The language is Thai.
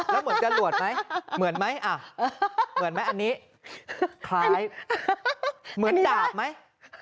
แล้วเหมือนจรวดไหมเหมือนไหมอ่ะเหมือนไหมอันนี้คล้ายเหมือนดาบไหม